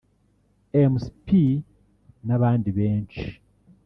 Mc P n’abandi benshi